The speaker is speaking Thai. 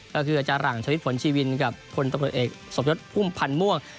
ก็คืออาจารย์หลังชาวฤทธิ์ผลชีวินกับคนต้องกดเอกศพยศภูมิพันธ์ม่วง